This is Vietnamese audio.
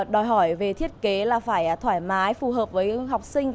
đòi hỏi về thiết kế là phải thoải mái phù hợp với học sinh